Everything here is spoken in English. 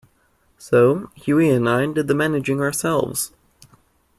So Hughie and I did the managing ourselves.